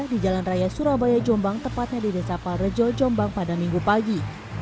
di jalan raya surabaya jombang tepatnya di desa palrejo jombang pada minggu pagi